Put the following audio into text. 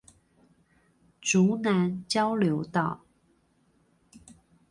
竹南交流道